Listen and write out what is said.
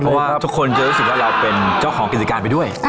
เพราะว่าทุกคนจะรู้สึกว่าเราเป็นเจ้าของกิจการไปด้วย